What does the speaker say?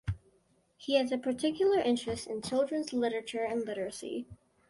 He has a particular interest in children's literature and literacy.